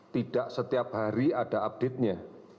tidak setiap hari ada update nya